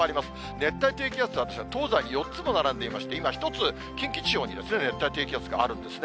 熱帯低気圧は東西に４つも並んでいまして、今、１つ、近畿地方に熱帯低気圧があるんですね。